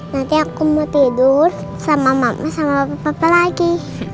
nanti aku mau tidur sama mama sama bapak lagi